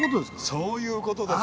そういう事です。